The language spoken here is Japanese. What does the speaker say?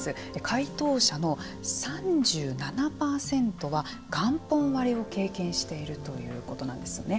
回答者の３７％は元本割れを経験しているということなんですよね。